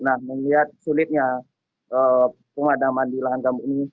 nah melihat sulitnya pemadaman di lahan gambut ini